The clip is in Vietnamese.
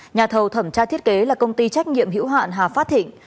nhà thầu thẩm tra thiết kế là công ty trách nhiệm hữu hạn hà phát thịnh